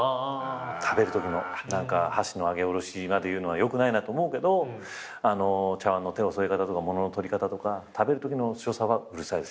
食べるときの箸の上げ下ろしまで言うのはよくないなと思うけど茶わんの手の添え方とか物の取り方とか食べるときの所作はうるさいです。